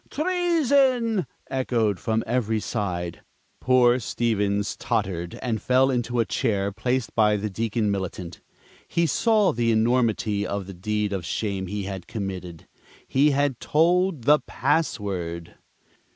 Treason!" echoed from every side. Poor Stevens tottered, and fell into a chair placed by the Deacon Militant. He saw the enormity of the deed of shame he had committed. He had told the password!